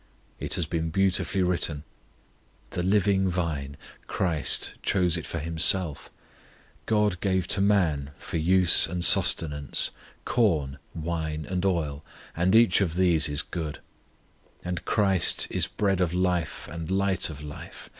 It has been beautifully written: The living Vine, CHRIST chose it for Himself: GOD gave to man for use and sustenance Corn, wine, and oil, and each of these is good: And CHRIST is Bread of life and Light of life.